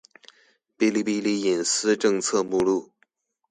《哔哩哔哩隐私政策》目录